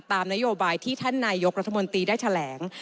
ตามนโยบายที่ท่านนายกรัฐมนตรีได้แถลง